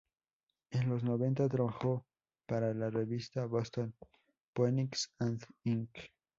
En los noventa, trabajó para la revista Boston Phoenix and Inc.